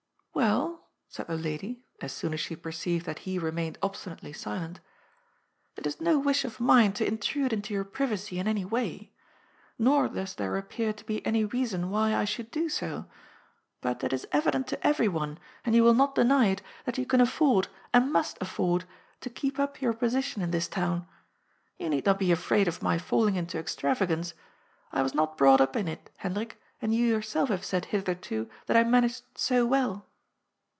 '^ Well," said the lady as soon as she perceived that he remained obstinately silent, '' it is no wish of mine to in trude into your privacy in any way. Nor does there appear to be any reason why I should do so. But it is evident to everyone^ and you will not deny it, that you can afford, and must afford, to keep up your position in this town. You need not be afraid of my falling into extravagance. I was not brought up in it, Hendrik, and you yourself have said hitherto that I managed so well."